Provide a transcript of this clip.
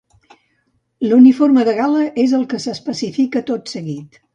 L'uniforme de gala és el que s'especifica tot seguit.